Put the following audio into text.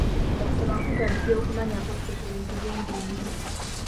Okusoma kugaziya okumanya kwaffe ku bintu bingi nnyo.